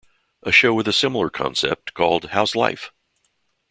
A show with a similar concept called How's Life?